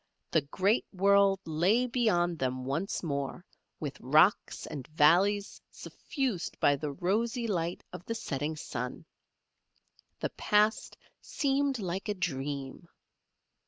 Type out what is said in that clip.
The great world lay beyond them once more with rocks and valleys suffused by the rosy light of the setting sun. The past seemed like a dream.